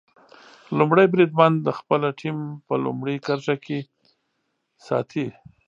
لومړی بریدمن د خپله ټیم په لومړۍ کرښه کې ساتي.